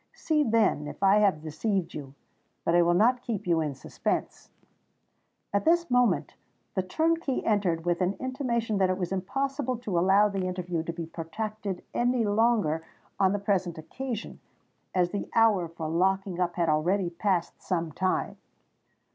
See, then, if I have deceived you:—but I will not keep you in suspense——" At this moment, the turnkey entered with an intimation that it was impossible to allow the interview to be protracted any longer on the present occasion, as the hour for locking up had already passed some time.